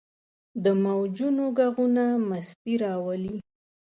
د موجونو ږغونه مستي راولي.